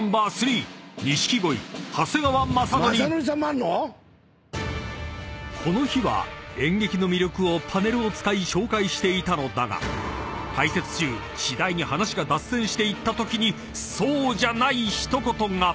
雅紀さんもあんの⁉［この日は演劇の魅力をパネルを使い紹介していたのだが解説中次第に話が脱線していったときにそうじゃない一言が］